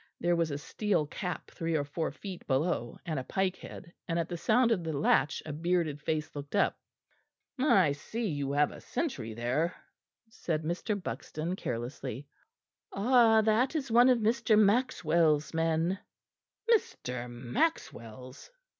There was a steel cap three or four feet below, and a pike head; and at the sound of the latch a bearded face looked up. "I see you have a sentry there," said Mr. Buxton carelessly. "Ah! that is one of Mr. Maxwell's men." "Mr. Maxwell's!"